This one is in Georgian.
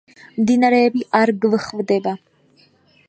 მდინარეები არ გვხვდება.